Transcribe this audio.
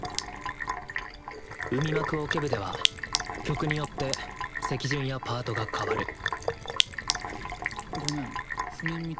海幕オケ部では曲によって席順やパートが変わるごめん譜面見てなかった。